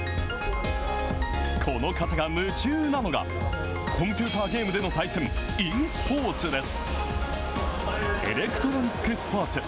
この方が夢中なのが、コンピューターゲームでの対戦、ｅスポーツです。